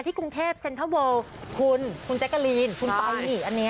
ที่กรุงเทพฯเซ็นทรัลเวิลคุณคุณแจ๊กกะรีนคุณปายหงี่อันนี้